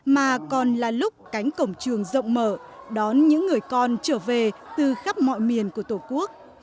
mà còn là lúc cánh cổng trường rộng mở đón những người con trở về từ khắp mọi miền của tổ quốc